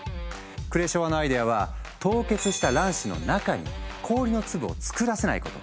クレショワのアイデアは凍結した卵子の中に氷の粒を作らせないこと。